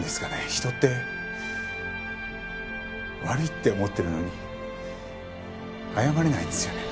人って悪いって思ってるのに謝れないんですよね。